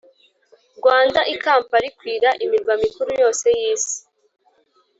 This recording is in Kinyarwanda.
rwanda i kampala ikwira imirwa mikuru yose y'isi